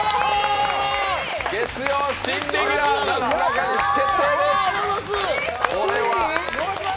月曜新レギュラー、なすなかにし決定です。